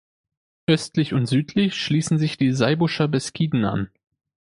Östlich und südlich schließen sich die Saybuscher Beskiden an.